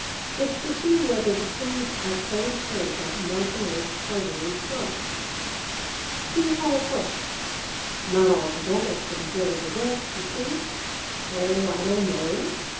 It's to see whether the things I've always heard about milk and eggs are really so. See how it works not altogether for the good of the works, you see? Oh, I don't know.